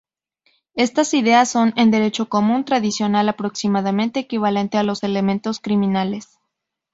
Estas ideas son, en derecho común tradicional, aproximadamente equivalente a los elementos criminales.